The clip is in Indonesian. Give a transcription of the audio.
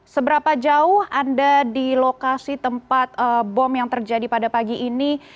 seberapa jauh anda di lokasi tempat bom yang terjadi pada pagi ini